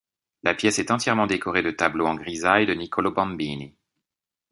La pièce est entièrement décorée de tableaux en grisaille de Niccolò Bambini.